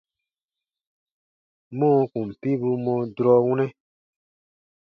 Mɔɔ kùn piibuu mɔ durɔ wunɛ: